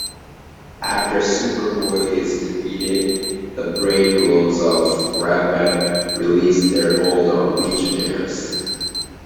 After Superboy is defeated, the Brain-Globes of Rambat release their hold on the Legionnaires.